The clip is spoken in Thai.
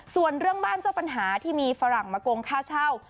ส่วนเรื่องบ้านเจ้าปัญหาที่มีฝรั่งมาโกงค่าเช่า